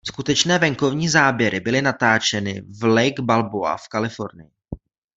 Skutečné venkovní záběry byly natáčeny v Lake Balboa v Kalifornii.